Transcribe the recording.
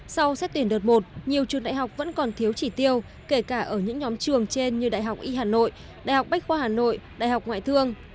sau xét tuyển đợt một nhiều trường đại học vẫn còn thiếu chỉ tiêu kể cả ở những nhóm trường trên như đại học y hà nội đại học bách khoa hà nội đại học ngoại thương